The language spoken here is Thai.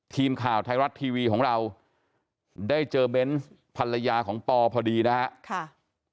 ทีมข่าวไทยรัฐทีวีของเราได้เจอเบนส์ภรรยาของปอพอดีนะครับ